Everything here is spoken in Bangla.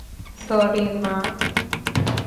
সরি, মা।